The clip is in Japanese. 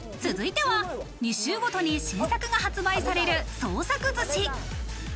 続いては２週ごとに新作が発売される創作寿司。